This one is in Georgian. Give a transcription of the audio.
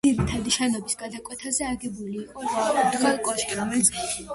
ორი ძირითადი შენობის გადაკვეთაზე აგებული იყო რვაკუთხა კოშკი, რომელიც კოშკური გადახურვით იყო.